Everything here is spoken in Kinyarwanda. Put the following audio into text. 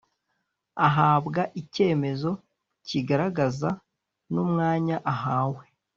ahabwa icyemezo kigaragaza n’umwanya ahawe